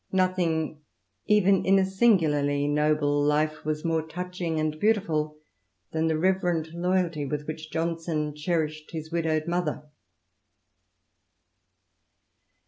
Nothing, even in a ilarly noble life, was more touching and beautiful than reverent loyalty with which Johnson cherished his wed mother.